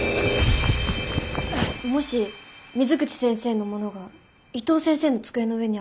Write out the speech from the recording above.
もし水口先生のものが伊藤先生の机の上にあるとしたら。